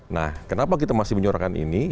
nah kenapa kita masih menyorakan ini